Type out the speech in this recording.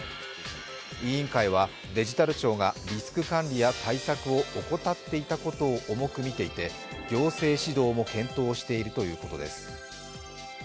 委員会はデジタル庁がリスク管理や対策を怠っていたことを重く見ていて、行政指導も検討しているということです。